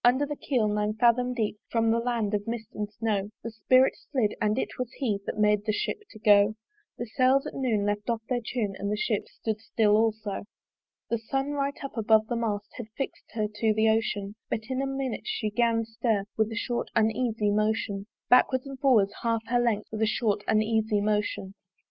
Under the keel nine fathom deep From the land of mist and snow The spirit slid: and it was He That made the Ship to go. The sails at noon left off their tune And the Ship stood still also. The sun right up above the mast Had fix'd her to the ocean: But in a minute she 'gan stir With a short uneasy motion Backwards and forwards half her length With a short uneasy motion.